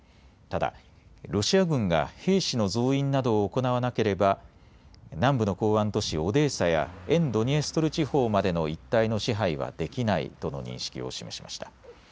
ただロシア軍が兵士の増員などを行わなければ南部の港湾都市オデーサや沿ドニエストル地方までの一帯の支配はできないとの認識を示しました。